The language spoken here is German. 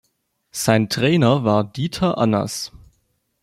Sein Trainer war Dieter Annas.